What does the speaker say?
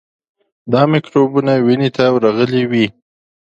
دا میکروبونه وینې ته ورغلي وي.